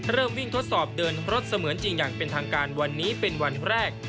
เริ่มวิ่งทดสอบเดินรถเสมือนจริงอย่างเป็นทางการวันนี้เป็นวันแรก